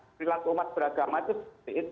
perilaku umat beragama itu